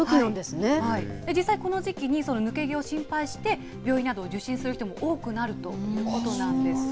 実際この時期に、抜け毛を心配して病院などを受診する人も多くなるということなんです。